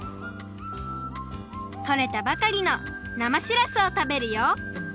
とれたばかりのなましらすをたべるよ！